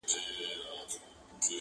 د لښکر په شا کي ځه، په سر کې راځه.